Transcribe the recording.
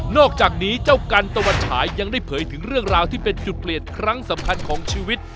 อกจากนี้เจ้ากันตะวันฉายยังได้เผยถึงเรื่องราวที่เป็นจุดเปลี่ยนครั้งสำคัญของชีวิต